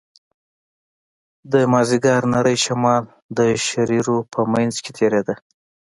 د مازديګر نرى شمال د شرشرو په منځ کښې تېرېده.